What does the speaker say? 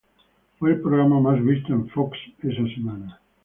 Fue el programa más visto en Fox esa semana.